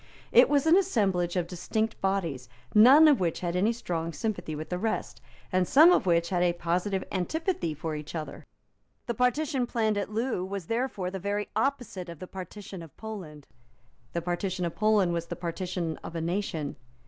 It was an assemblage of distinct bodies, none of which had any strong sympathy with the rest, and some of which had a positive antipathy for each other. The partition planned at Loo was therefore the very opposite of the partition of Poland. The partition of Poland was the partition of a nation.